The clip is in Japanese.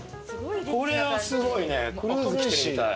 これはすごいねクルーズ来てるみたい。